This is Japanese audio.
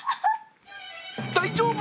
大丈夫？